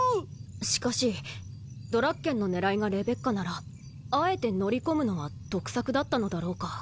しかしドラッケンの狙いがレベッカならあえて乗り込むのは得策だったのだろうか。